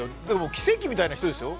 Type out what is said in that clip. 奇跡みたいな人ですよ